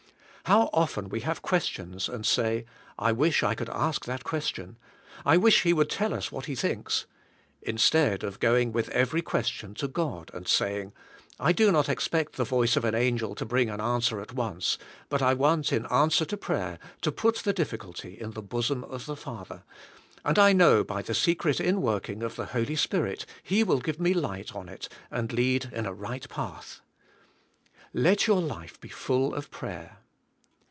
How often we have questions and say, I wish I could ask that question. I wish he would tell us what bethinks," instead of going with every question to God and say ing, I do not expect the voice of an angel to bring an answer at once, but I want in answer to prayer to put the difficulty in the bosom of the Father, and I know by the secret in working of the Holy Spirit He will give me light on it and lead in a right path. Let your life be full of prayer.